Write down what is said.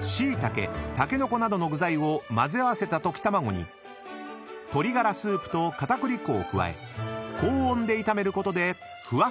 ［しいたけたけのこなどの具材を交ぜ合わせた溶き卵に鶏ガラスープと片栗粉を加え高温で炒めることでふわふわの卵になるんです］